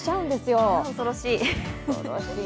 恐ろしい！